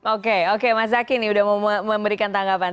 oke oke mas zaky nih sudah memberikan tanggapan